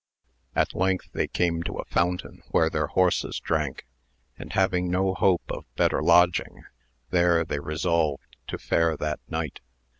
At length they came to a fountain where their horses drank, and having no hope of better lodging, there they resolved to fare that night.